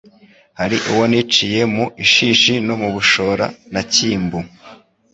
Hali uwo niciye mu Ishishi no mu Bushora na Cyimbu